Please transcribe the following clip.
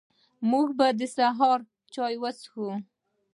موږ به د سهار چاي وڅښو